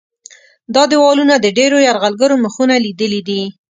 دا دیوالونه د ډېرو یرغلګرو مخونه لیدلي دي.